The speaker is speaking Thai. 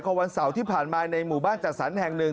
คนวันเสารที่ผ่านมาในหมู่บ้านจักษะแห่งนึง